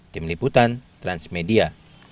tim liputan transmedia